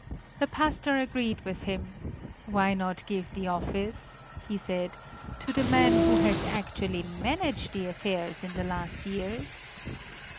The pastor agreed with him: "Why not give the office," he said, "to the man who has actually managed the affairs in the last years?"